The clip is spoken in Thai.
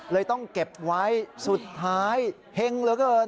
เลยต้องเก็บไว้สุดท้ายเฮงเหลือเกิน